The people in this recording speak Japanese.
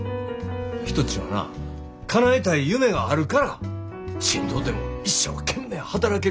人ちゅうんはなかなえたい夢があるからしんどうても一生懸命働ける。